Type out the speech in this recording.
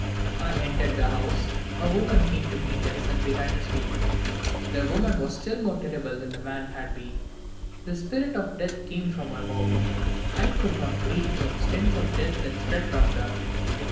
I entered the house; a woman came to meet us and began to speak. The woman was still more terrible than the man had been; the spirit of death came from her mouth; I could not breathe for the stench of death that spread around her.